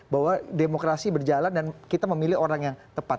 bahwa demokrasi berjalan dan kita memilih orang yang tepat